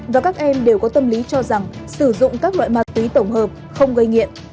và các em đều có tâm lý cho rằng sử dụng các loại ma túy tổng hợp không gây nghiện